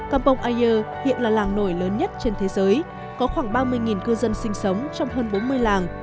campong air hiện là làng nổi lớn nhất trên thế giới có khoảng ba mươi cư dân sinh sống trong hơn bốn mươi làng